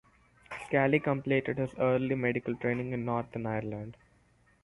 Scally completed his early medical training in Northern Ireland.